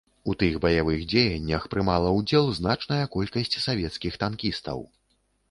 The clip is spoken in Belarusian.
У тых баявых дзеяннях прымала ўдзел значная колькасць савецкіх танкістаў.